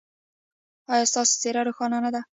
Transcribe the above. ایا ستاسو څیره روښانه نه ده؟